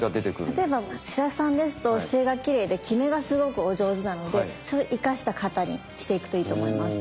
例えば白洲さんですと姿勢がきれいで極めがすごくお上手なのでそれを生かした形にしていくといいと思います。